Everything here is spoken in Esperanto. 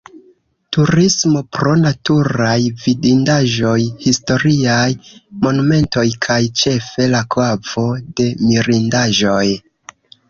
Turismo pro naturaj vidindaĵoj, historiaj, monumentoj kaj ĉefe la Kavo de Mirindaĵoj.